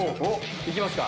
いきますか？